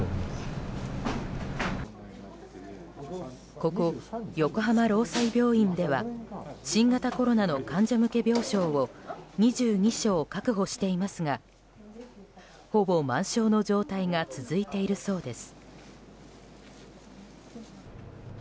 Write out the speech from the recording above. ここ、横浜労災病院では新型コロナの患者向け病床を２２床確保していますがほぼ満床の状態が続いているそうです。